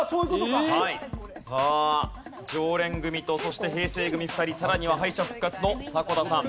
さあ常連組とそして平成組２人さらには敗者復活の迫田さん。